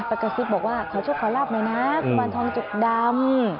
ไปกระซิบบอกว่าขอโชคขอลาบไหมนะภูมารทองจุดดำ